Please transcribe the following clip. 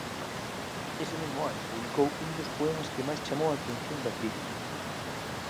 Ese mesmo ano publicou un dos poemas que máis chamou a atención da crítica.